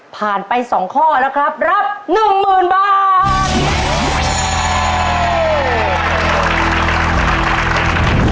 ผ่านไปสองข้อแล้วครับรับหนึ่งหมื่นบาท